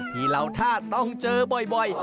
ที่เหล่าทาตรย์ต้องเจอบ่อย